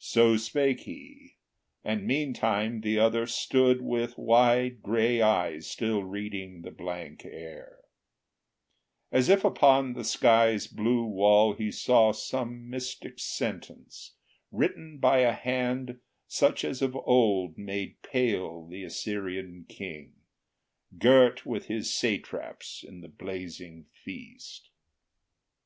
So spake he, and meantime the other stood With wide gray eyes still reading the blank air, As if upon the sky's blue wall he saw Some mystic sentence, written by a hand Such as of old made pale the Assyrian king, Girt with his satraps in the blazing feast.